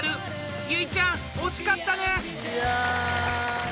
結実ちゃん、惜しかったね！